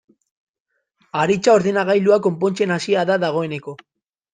Aritza ordenagailua konpontzen hasia da dagoeneko.